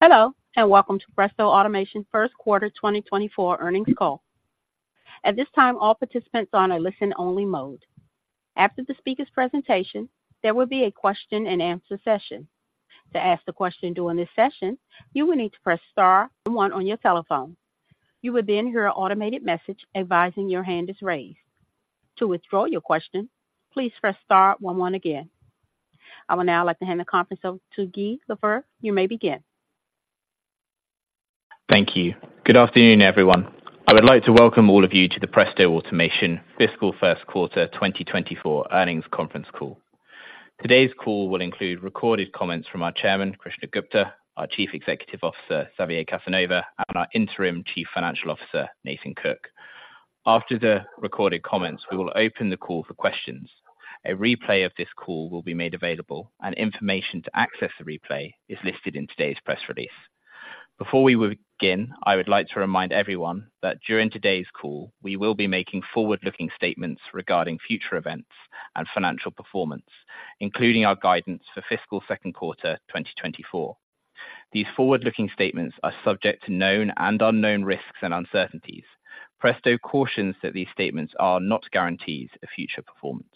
Hello, and welcome to Presto Automation First Quarter 20 24 Earnings Call. At this time, all participants are in a listen only mode. After the speakers' presentation, there will be a question and answer session. You will then hear an automated message advising your hand is raised. I would now like to hand the conference over To Guy Laferreux, you may begin. Thank you. Good afternoon, everyone. I would like to welcome all of you to the Presto Automation Fiscal First Quarter 2024 Earnings Conference Call. Today's call will include recorded comments from our Chairman, Krishna Gupta Our Chief Executive Officer, Xavier Casanova and our Interim Chief Financial Officer, Nathan Cook. After the recorded comments, we will open the call for questions. A replay of this call will be made available and information to access the replay is listed in today's press release. Before we Again, I would like to remind everyone that during today's call, we will be making forward looking statements regarding future events and financial performance, including our guidance for fiscal Q2 2024. These forward looking statements are subject to known and unknown risks and uncertainties. Presto cautions that these statements are not guarantees of future performance.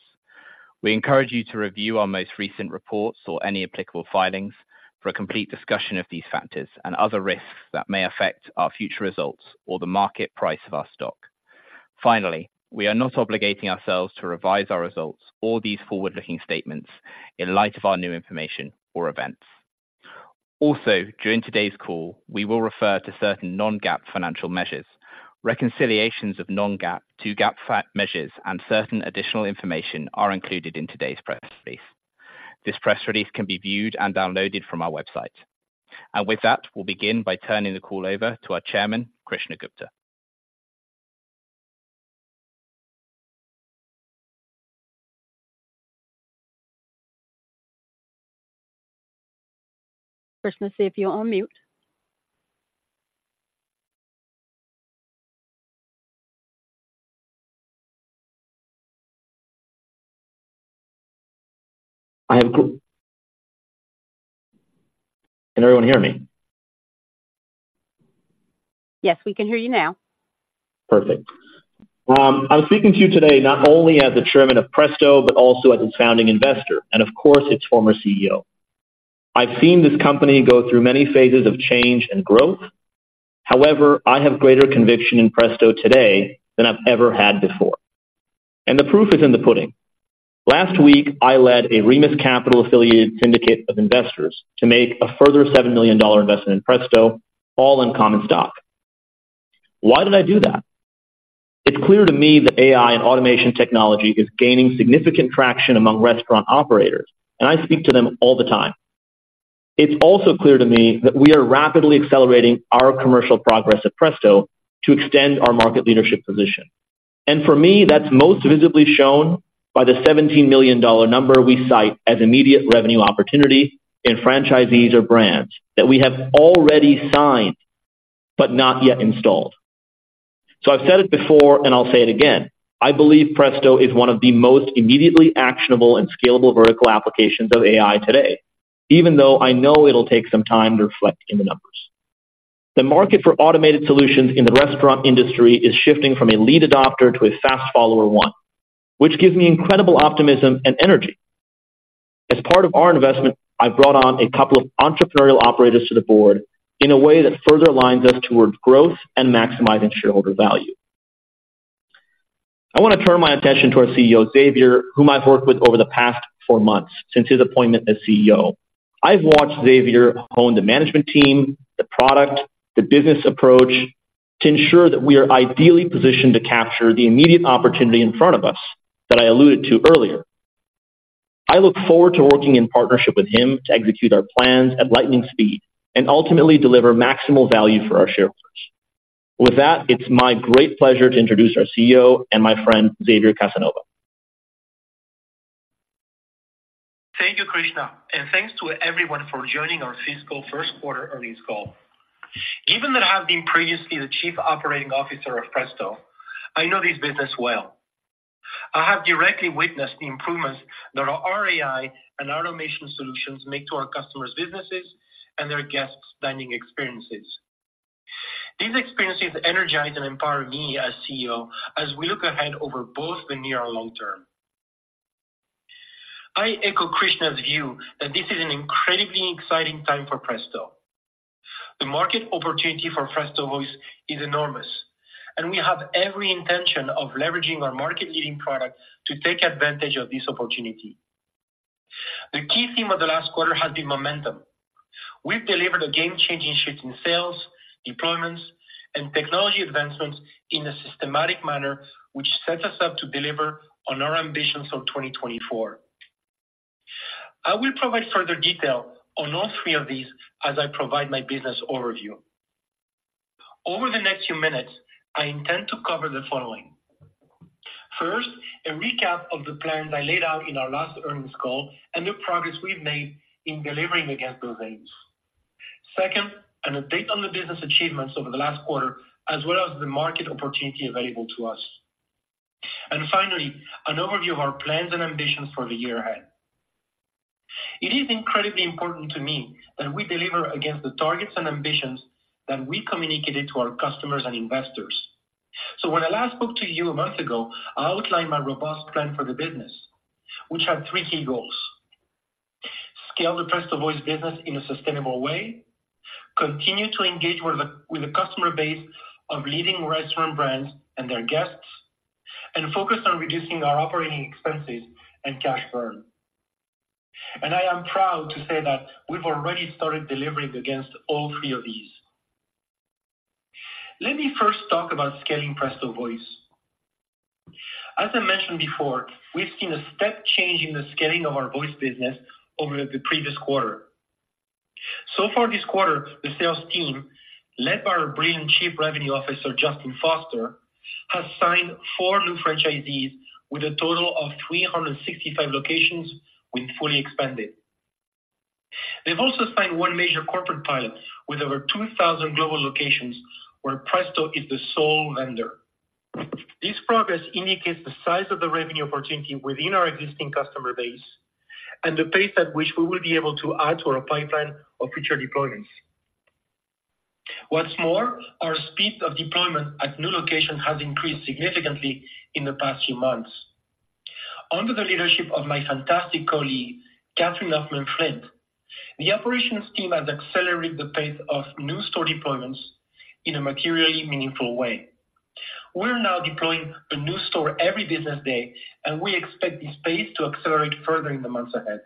We encourage you to review our most recent reports or any applicable filings Finally, we are not obligating ourselves to revise our results or these forward looking statements in light of our new information or events. Also, during today's call, we will refer to certain non GAAP financial measures. Reconciliations of non GAAP Two GAAP measures and certain additional information are included in today's press release. This press release can be viewed and downloaded from our website. And with that, we'll begin by turning the call over to our Chairman, Krishna Gupta. Can everyone hear me? Yes, we can hear you now. Perfect. I'm speaking to you today not only as the Chairman of Presto, but also as its founding investor and of course its former CEO. I've seen this company go through many phases of change and growth. However, I have greater conviction in Presto today than I've ever had before. And the proof is in the pudding. Last week, I led a Remus Capital affiliated syndicate of investors to make a further $7,000,000 investment in Presto, I speak to them all the time. It's also clear to me that we are rapidly accelerating our commercial progress at Presto to extend our market leadership position. And for me, that's most visibly shown by the $17,000,000 number we cite as immediate revenue opportunity in franchisees or brands That we have already signed, but not yet installed. So I've said it before and I'll say it again. I believe Presto is one of the most immediately actionable and scalable vertical applications of AI today, even though I know it will take some time to reflect in the numbers. The market for automated solutions in the restaurant industry is shifting from a lead adopter to a fast follower 1, which gives me incredible optimism and energy. As part of our investment, I brought on a couple of entrepreneurial operators to the Board in a way that further aligns us towards growth and maximizing shareholder value. I want to turn my attention to our CEO, Xavier, whom I've worked with over the past 4 months since his appointment as CEO. I've watched Xavier hone the management team, the product, the business approach to ensure that we are ideally positioned to capture the immediate opportunity in front of us that I alluded to earlier. I look forward to working in partnership with him to execute our plans at lightning speed and ultimately deliver maximal value for our shareholders. With that, it's my great pleasure to introduce our CEO and my friend, Xavier Casanova. Thank you, Krishna, and thanks to everyone for joining our fiscal Q1 earnings call. Even that I have been previously the Chief Operating Officer of Presto, I know this business well. I have directly witnessed the improvements that our AI and automation solutions make to our customers' businesses and their guests' These experiences energize and empower me as CEO as we look ahead over both the near and long term. I echo Krishna's view that this is an incredibly exciting time for Presto. The market opportunity for Presto Voice It's enormous, and we have every intention of leveraging our market leading product to take advantage of this opportunity. The key theme of the last quarter has been momentum. We've delivered a game changing shift in sales, deployments And technology advancements in a systematic manner, which sets us up to deliver on our ambitions of 2024. I will provide further detail on all three of these as I provide my business overview. Over the next few minutes, I intend to cover the following. 1st, a recap of the plans I laid out in our last earnings call and the progress we've made In delivering against those aims. 2nd, an update on the business achievements over the last quarter as well as the market opportunity available to us. And finally, an overview of our plans and ambitions for the year ahead. It is incredibly important to me that we deliver against the targets and ambitions that we communicated to our customers and investors. So when I last spoke to you a month ago, I outlined my robust plan for the business, which had 3 key goals: Scale the press to voice business in a sustainable way, continue to engage with the customer base of leading restaurant brands and their guests And focus on reducing our operating expenses and cash burn. And I am proud to say that We've already started delivering against all three of these. Let me first talk about scaling Presto Voice. As I mentioned before, we've seen a step change in the scaling of our voice business over the previous quarter. So far this quarter, the sales team led by our brilliant Chief Revenue Officer, Justin Foster, has signed 4 new franchisees With a total of 365 locations, we've fully expanded. They've also signed 1 major corporate pilot With over 2,000 global locations, where Presto is the sole vendor. This progress indicates the size of the revenue opportunity within our existing customer base And the pace at which we will be able to add to our pipeline of future deployments. What's more, Our speed of deployment at new locations has increased significantly in the past few months. Under the leadership of my fantastic colleague, Catherine Lofman, Fred. The operations team has accelerated the pace of new store deployments in a materially meaningful way. We are now deploying a new store every business day, and we expect this pace to accelerate further in the months ahead.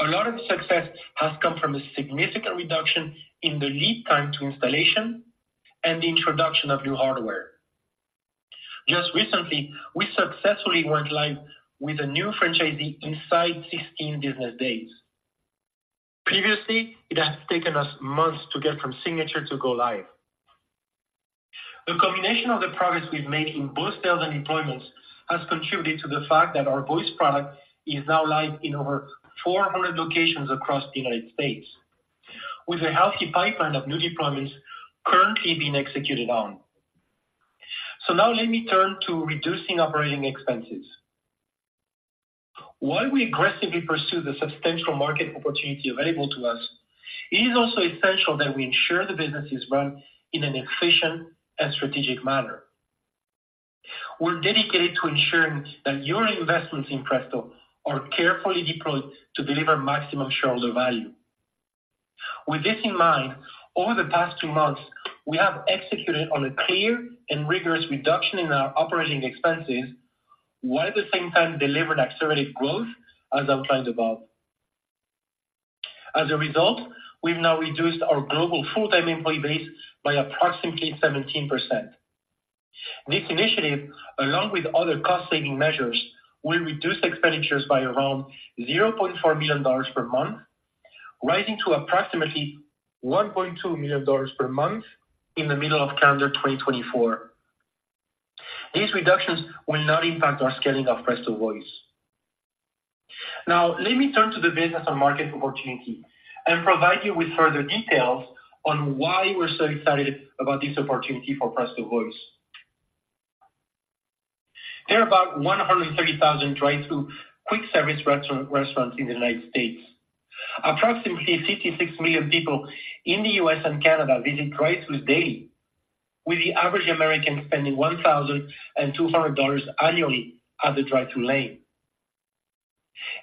A lot of success has come from a significant reduction in the lead time to installation and the introduction of new hardware. Just recently, we successfully went live with a new franchisee inside 15 business days. Previously, it has taken us months to get from Signature to go live. The combination of the progress we've made in both sales and deployments As contributed to the fact that our voice product is now live in over 400 locations across the United States. With a healthy pipeline of new deployments currently being executed on. So now let me turn to reducing operating expenses. While we aggressively pursue the substantial market opportunity available to us, it is also essential that we ensure the business is run in an efficient and strategic manner. We're dedicated to ensuring that your investments in Presto or carefully deployed to deliver maximum shareholder value. With this in mind, over the past 2 months, We have executed on a clear and rigorous reduction in our operating expenses, while at the same time delivered accelerated growth as outlined above. As a result, we've now reduced our global full time employee base by approximately 17%. This initiative, along with other cost saving measures, will reduce expenditures by around $400,000 per month, Rising to approximately $1,200,000 per month in the middle of calendar 2024. These reductions will not impact our scaling of Presto Voice. Now let me turn to the business and market opportunity I'll provide you with further details on why we're so excited about this opportunity for Presto Voice. There are about 130,000 drive thru quick service restaurants in the United States. Approximately 56,000,000 people in the U. S. And Canada visit dry through daily, with the average American spending 1,000 And $200 annually at the drive thru lane.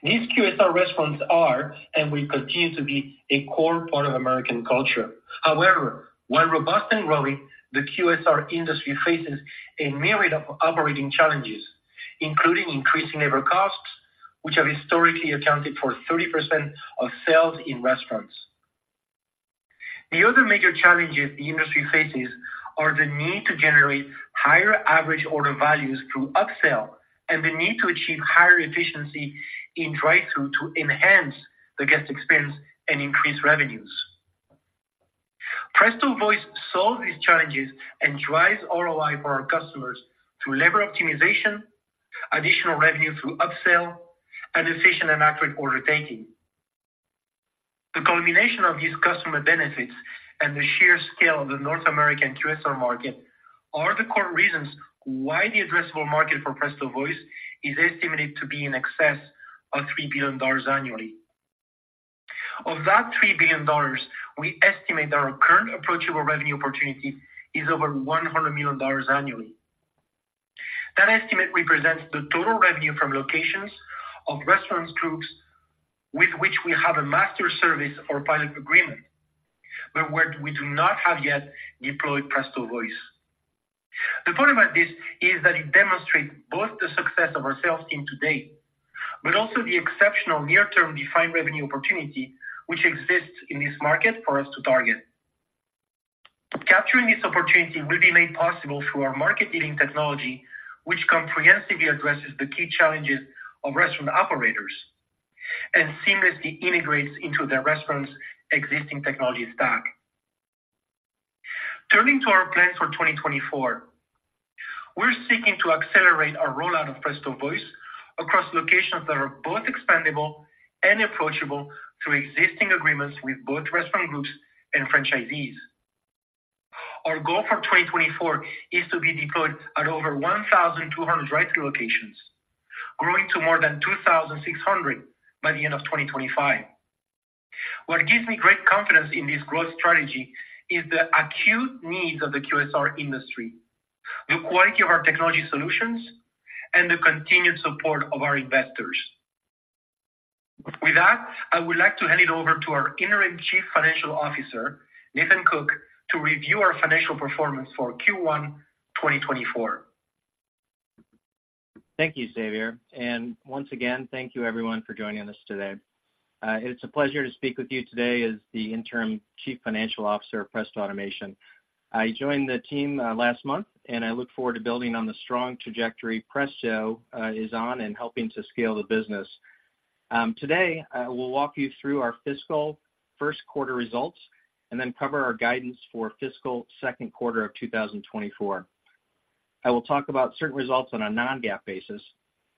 These QSR restaurants are and will continue to be a core part of American culture. However, while robust and growing, the QSR industry faces a myriad of operating challenges, including increasing labor costs, which have historically accounted for 30% of sales in restaurants. The other major challenges the industry faces Or the need to generate higher average order values through upsell and the need to achieve higher efficiency in drive thru to enhance The guest experience and increased revenues. Presto Voice solves these challenges and drives ROI for our customers Through lever optimization, additional revenue through upsell and decision and accurate order taking. The combination of these customer benefits and the sheer scale of the North American QSR market are the core reasons Why the addressable market for Presto Voice is estimated to be in excess of $3,000,000,000 annually? Of that $3,000,000,000 we estimate that our current approachable revenue opportunity is over $100,000,000 annually. That estimate represents the total revenue from locations of restaurants, groups with which we have a master service or pilot agreement, But we do not have yet deployed PRAZTO voice. The point about this is that it demonstrates both the success of our sales team today, But also the exceptional near term defined revenue opportunity, which exists in this market for us to target. Capturing this opportunity will be made possible through our market leading technology, which comprehensively addresses the key challenges of restaurant operators And seamlessly integrates into the restaurant's existing technology stack. Turning to our plans for 2024. We're seeking to accelerate our rollout of Presto Voice across locations that are both expandable and approachable Through existing agreements with both restaurant groups and franchisees, our goal for 2024 is to be deployed At over 1200 rescue locations, growing to more than 2,600 by the end of 2025. What gives me great confidence in this growth strategy is the acute needs of the QSR industry, the quality of our technology solutions And the continued support of our investors. With that, I would like to hand it over to our Interim Chief Financial Officer, Nathan Cook, To review our financial performance for Q1 2024. Thank you, Xavier. And once again, thank you everyone for joining us today. It's a pleasure to speak with you today as the Interim Chief Financial Officer of Presta Automation. I joined the team last month And I look forward to building on the strong trajectory Presto is on and helping to scale the business. Today, I will walk you through our fiscal 1st quarter results and then cover our guidance for fiscal Q2 of 2024. I will talk about certain results on a non GAAP basis,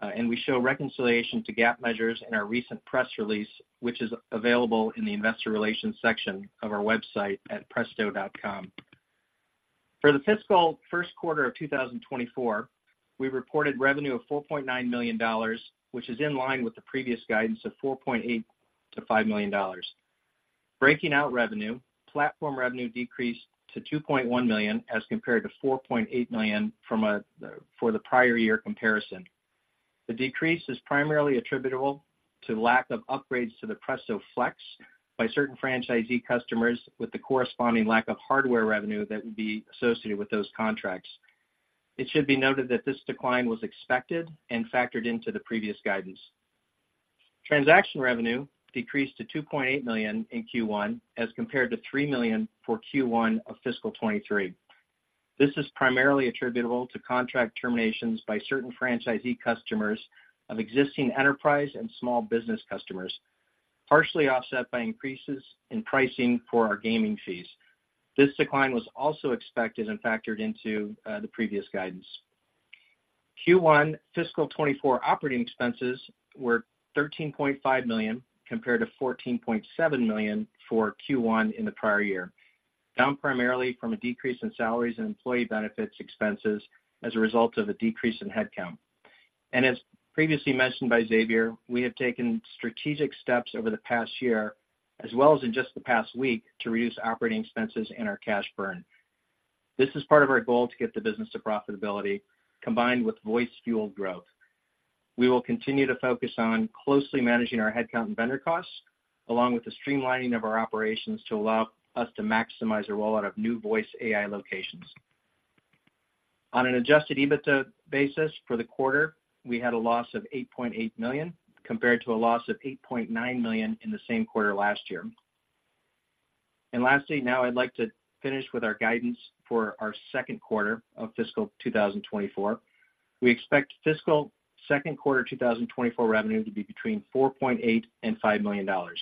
And we show reconciliation to GAAP measures in our recent press release, which is available in the Investor Relations section of our website at presto.com. For the fiscal Q1 of 2024, we reported revenue of $4,900,000 which is in line with the previous guidance of 4.8 to $5,000,000 Breaking out revenue, platform revenue decreased to $2,100,000 as compared to $4,800,000 from a for the prior year comparison. The decrease is primarily attributable to lack of upgrades to the Presto Flex by certain franchisee customers with the corresponding lack of hardware revenue that would be associated with those contracts. It should be noted that this Decline was expected and factored into the previous guidance. Transaction revenue decreased to $2,800,000 in Q1 as compared to $3,000,000 for Q1 of fiscal 2023. This is primarily attributable to contract terminations by certain franchisee customers of existing enterprise and small business customers, partially offset by increases in pricing for our gaming fees. This decline was also expected and factored into the previous guidance. Q1 fiscal 'twenty four operating expenses were $13,500,000 compared to $14,700,000 for Q1 in the prior year, down primarily from a decrease in salaries and employee benefits expenses as a result of the decrease in headcount. And as previously mentioned by Xavier, we have taken strategic steps over the past year As well as in just the past week to reduce operating expenses and our cash burn. This is part of our goal to get the business to profitability combined with voice fueled growth. We will continue to focus on closely managing our headcount and vendor costs, along with the streamlining of our operations to allow us to maximize the rollout of new voice AI locations. On an adjusted EBITDA basis for the quarter, We had a loss of $8,800,000 compared to a loss of $8,900,000 in the same quarter last year. And lastly, now I'd like to finish with our guidance for our Q2 of fiscal 2024. We expect fiscal 2nd quarter 2024 revenue to be between $4,800,000 $5,000,000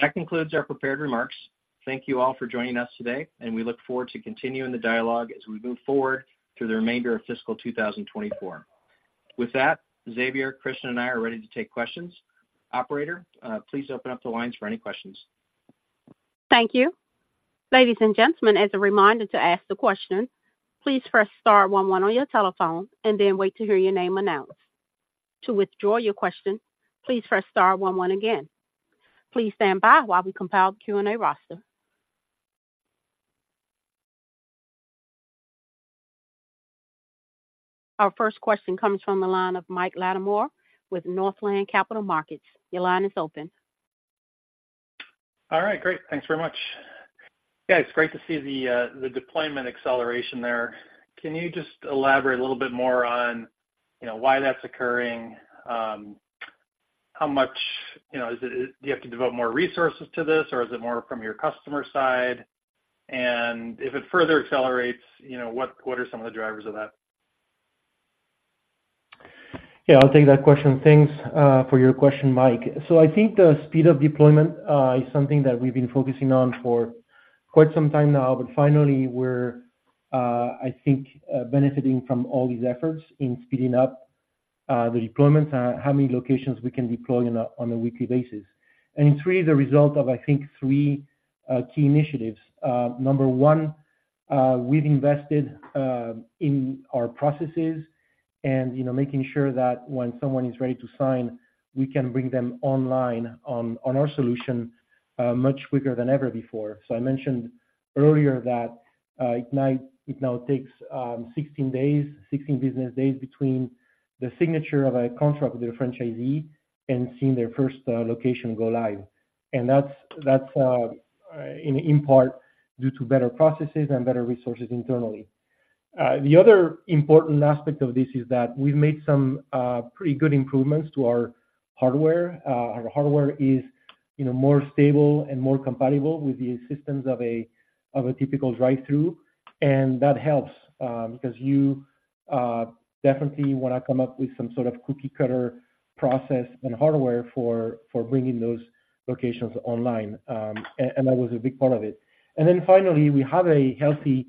That concludes our prepared remarks. Thank you all for joining us today and we look forward to continuing the dialogue as we move forward through the remainder of fiscal 2024. With that, Xavier, Christian and I are ready to take questions. Operator, please open up the lines for any questions. Thank you. Our first question comes from the line of Mike Latimore with Northland Capital Markets. Your line is open. All right, great. Thanks very much. Yes, it's great to see the deployment acceleration there. Can you just elaborate a little bit more Why that's occurring? How much do you have to devote more resources to this? Or is it more from your customer side? And if it further accelerates, what are some of the drivers of that? Yes, I'll take that question. Thanks For your question, Mike. So I think the speed of deployment is something that we've been focusing on for quite some time now. But finally, we're I think benefiting from all these efforts in speeding up the deployments, how many locations we can deploy on a weekly basis. And 3, the result of I think 3 key initiatives. Number 1, we've invested in our processes And making sure that when someone is ready to sign, we can bring them online on our solution much quicker than ever before. So I mentioned Earlier that, it now takes 16 days, 16 business days between the signature of a contract with the franchisee And seeing their first location go live. And that's in part due to better processes and better resources internally. The other important aspect of this is that we've made some pretty good improvements to our hardware. Our hardware is More stable and more compatible with the assistance of a typical drive through and that helps, because you Definitely, when I come up with some sort of cookie cutter process and hardware for bringing those locations online, and that was a big part of it. And then finally, we have a healthy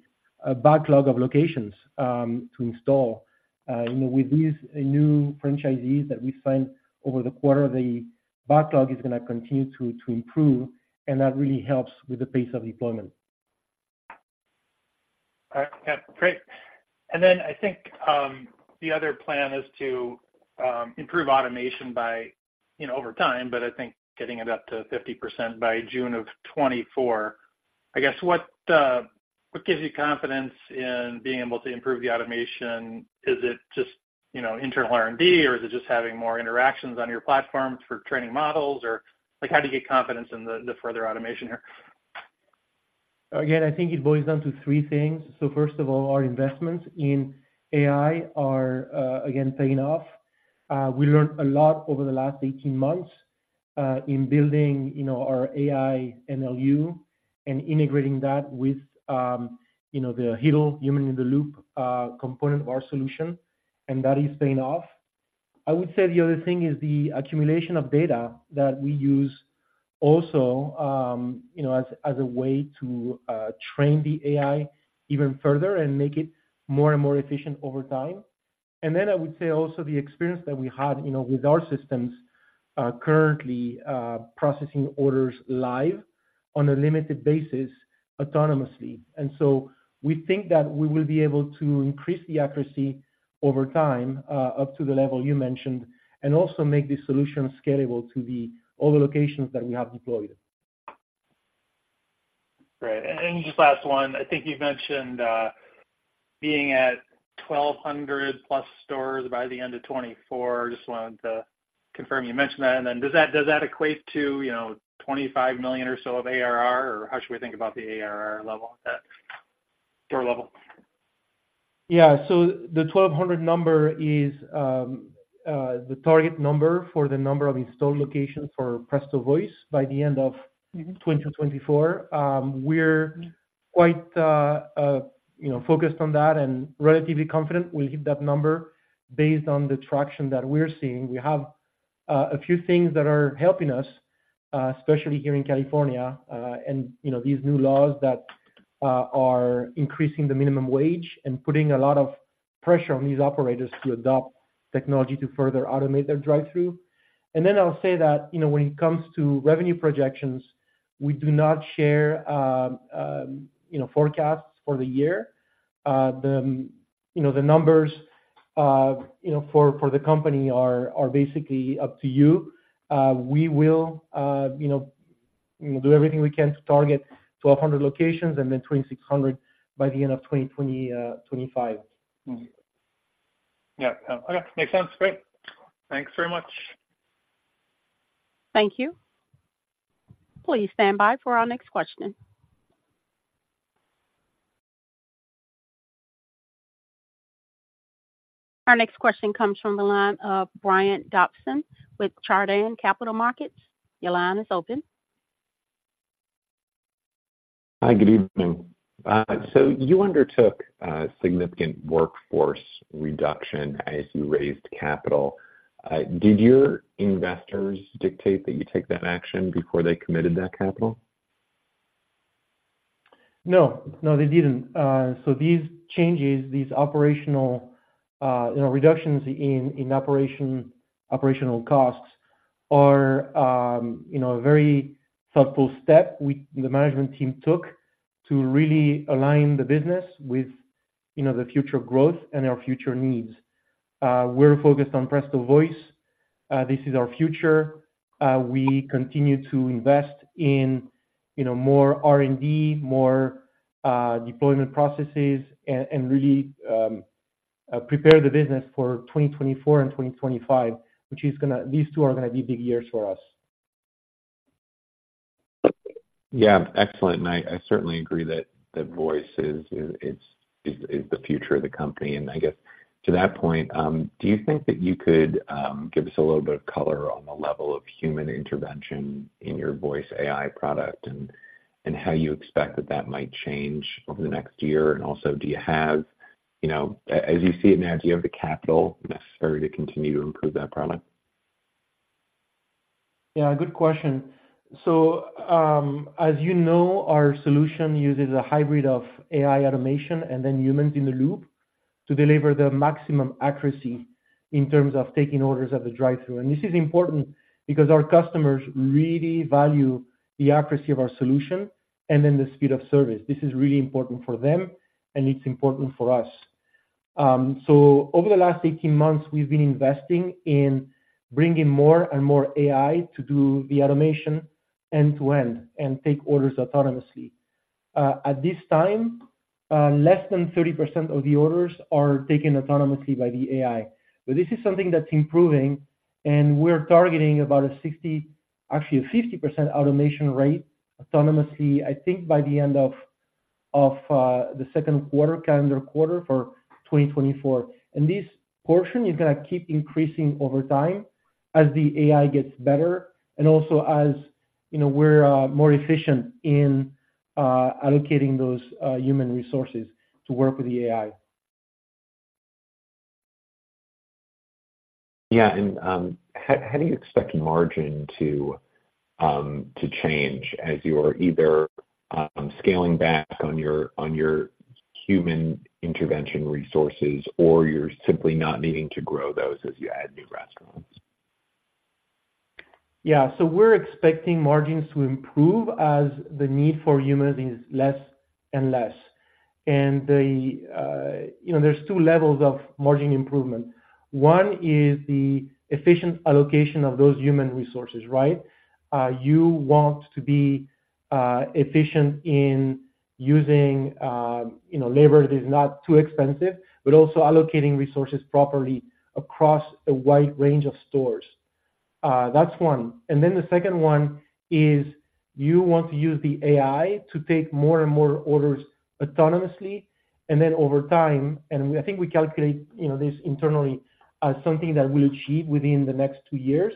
backlog of locations to install. With these new franchisees that we signed Over the quarter, the backlog is going to continue to improve and that really helps with the pace of deployment. Great. And then I think, the other plan is to improve automation by Over time, but I think getting it up to 50% by June of 'twenty four. I guess what gives you confidence And being able to improve the automation, is it just internal R and D or is it just having more interactions on your platform for training models or Like how do you get confidence in the further automation here? Again, I think it boils down to 3 things. So first of all, our investments in AI are again paying off. We learned a lot over the last 18 months in building our AI NLU And integrating that with the HITL human in the loop component of our solution and that is paying off. I would say the other thing is the accumulation of data that we use also as a way to train the AI Even further and make it more and more efficient over time. And then I would say also the experience that we had with our systems Currently processing orders live on a limited basis autonomously. And so We think that we will be able to increase the accuracy over time, up to the level you mentioned and also make this solution scalable to the All the locations that we have deployed. Great. And just last one, I think you've mentioned Being at 1200 plus stores by the end of 24, just wanted to confirm you mentioned that. And then does that equate to $25,000,000 or so of ARR or how should we think about the ARR level at that store level? Yes. So the $1200,000,000 number is The target number for the number of installed locations for Presto Voice by the end of 2024, we're Quite focused on that and relatively confident we'll hit that number based on the traction that we're seeing. We have A few things that are helping us, especially here in California, and these new laws that are increasing the minimum wage And putting a lot of pressure on these operators to adopt technology to further automate their drive through. And then I'll say that when it comes to revenue projections, We do not share forecasts for the year. The numbers For the company are basically up to you. We will do everything we can to target Our next question comes from the line of Brian Dobson with Chardan Capital Markets. Your line is open. Hi, good evening. So you undertook significant workforce Reduction as you raised capital. Did your investors dictate that you take that action before they committed that capital? No, no, they didn't. So these changes, these operational reductions in operational costs Our very thoughtful step the management team took to really align the business with The future growth and our future needs. We're focused on Presto Voice. This is our future. We continue to invest in more R and D, more deployment processes and really Prepare the business for 2024 2025, which is going to these 2 are going to be big years for us. Yes, excellent. And I certainly agree that voice is the future of the company. And I guess To that point, do you think that you could give us a little bit of color on the level of human intervention in your voice AI product And how you expect that that might change over the next year? And also do you have as you see it now, do you have the capital necessary to continue to improve that product? Yes, good question. So, as you know, our solution uses a hybrid of AI automation and then humans in the loop to deliver the maximum accuracy in terms of taking orders at the drive thru. And this is important Because our customers really value the accuracy of our solution and then the speed of service. This is really important for them and it's important for us. So over the last 18 months, we've been investing in bringing more and more AI to do the automation End to end and take orders autonomously. At this time, less than 30% of the orders are taken autonomously by the AI. This is something that's improving and we're targeting about a 60 actually a 50 percent automation rate autonomously, I think, by the end Of the Q2 calendar quarter for 2024. And this portion is going to keep increasing over time as the AI gets better And also as we're more efficient in allocating those human resources to work with the AI. Yes. And how do you expect margin To change as you are either scaling back on your human Intervention resources or you're simply not needing to grow those as you add new restaurants? Yes. So we're expecting margins to improve as the need for Humidase is less and less. And there's two levels of Margin improvement. 1 is the efficient allocation of those human resources, right. You want to be Efficient in using labor that is not too expensive, but also allocating resources properly Across a wide range of stores. That's one. And then the second one is you want to use the AI to take more and more orders Autonomously and then over time and I think we calculate this internally as something that we'll achieve within the next 2 years.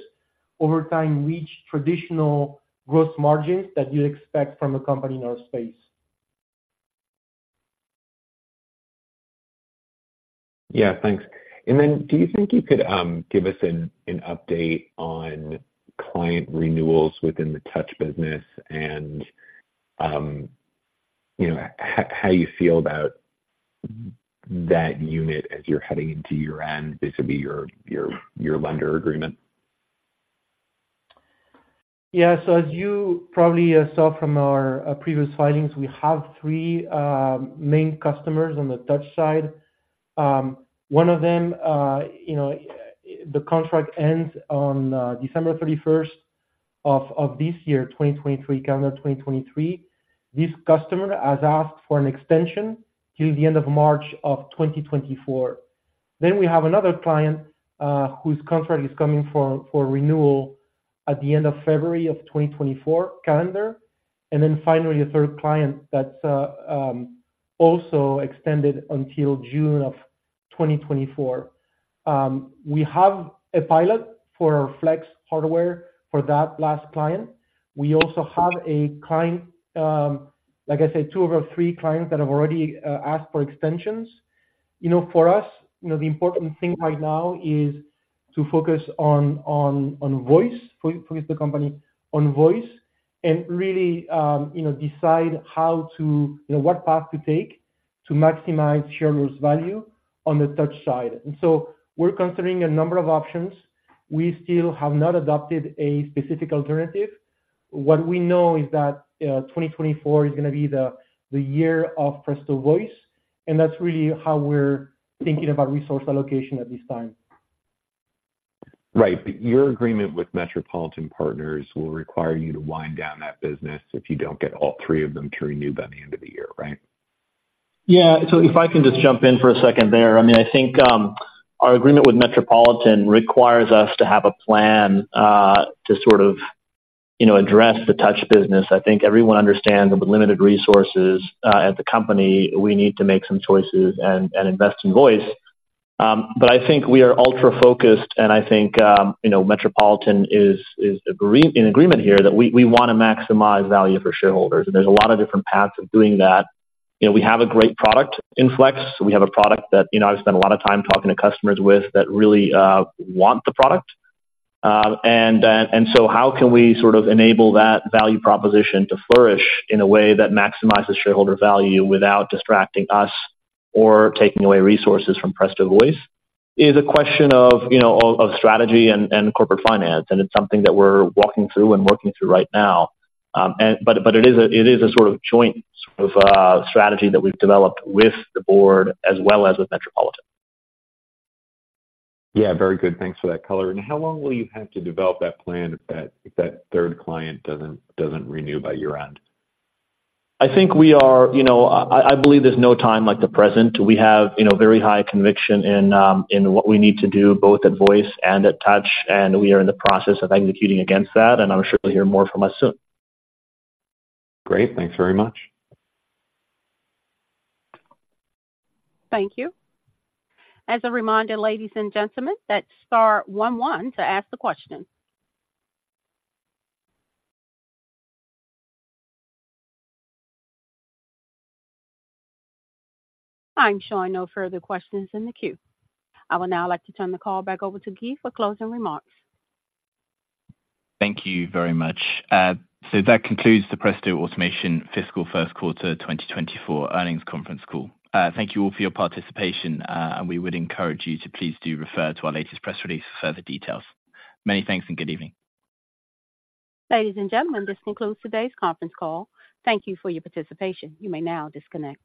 Over time, reach traditional gross margins that you expect from a company in our space. Yes, thanks. And then do you think you could give us an update on Client renewals within the touch business and how you feel about That unit as you're heading into your end, this would be your lender agreement? Yes. So as you probably saw from our previous filings, we have 3 main customers on the touch side. One of them, the contract ends on December 31st this year, 2023 calendar 2023. 3, this customer has asked for an extension till the end of March of 2024. Then we have another client Whose contract is coming for renewal at the end of February of 2024 calendar. And then finally, a third client that's Also extended until June of 2024. We have a pilot for our Flex hardware For that last client, we also have a client, like I said, 2 of our 3 clients that have already asked for extensions. For us, the important thing right now is to focus on voice, focus the company on voice And really decide how to what path to take to maximize shareholders' value On the touch side. And so we're considering a number of options. We still have not adopted a specific alternative. What we know is that 2024 is going to be the year of Presto Voice and that's really how we're thinking about resource allocation at this time. Right. Your agreement with Metropolitan Partners will require you to wind down that business if you don't get all 3 of them to renew by the end of the year, right? Yes. So if I can just jump in for a second there. I mean, I think our agreement with Metropolitan requires us to have a plan to sort of Address the touch business, I think everyone understands that with limited resources at the company, we need to make some choices and invest in voice. But I think we are ultra focused and I think Metropolitan is in agreement here that we want to maximize value for shareholders. And there's a lot of different paths Doing that, we have a great product, Inflex. We have a product that I've spent a lot of time talking to customers with that really want the product. And so how can we sort of enable that value proposition to flourish in a way that maximizes shareholder value without distracting us Or taking away resources from PrestaVoice is a question of strategy and corporate finance, and it's something that we're walking through and working through right now. But it is a sort of joint strategy that we've developed with the Board as well as with Metropolitan. Yes, very good. Thanks for that color. And how long will you have to develop that plan if that third client doesn't renew by year end? I think we are I believe there's no time like the present. We have very high conviction in what we need to do both at voice and at touch, And we are in the process of executing against that, and I'm sure you'll hear more from us soon. Great. Thanks very much. I'm showing no further questions in the queue. I would now like to turn the call back over to Guy for closing remarks. Thank you very much. So that concludes the Presto Automation fiscal Q1 2024 earnings conference call. Thank you all for your participation, and we would encourage you to please do refer to our latest press release for further details. Many thanks, and good evening. Ladies and gentlemen, this concludes today's conference call. Thank you for your participation. You may now disconnect.